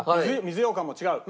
水羊かんも違う。